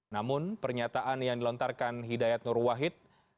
namun pernyataan yang dilontarkan hidayat nur wahid